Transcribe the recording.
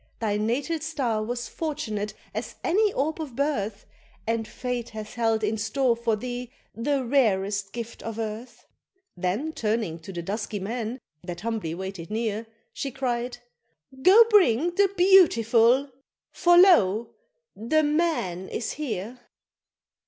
Thy natal star was fortunate as any orb of birth, And fate hath held in store for thee the rarest gift of earth." Then turning to the dusky men, that humbly waited near, She cried, "Go bring the BEAUTIFUL for lo! the MAN is here!"